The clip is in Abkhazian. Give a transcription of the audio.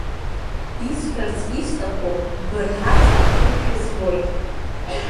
Исҳәарц исҭаху ббырҳарц бҭахымшәа збоит.